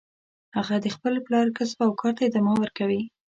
هغه د خپل پلار کسب او کار ته ادامه ورکوي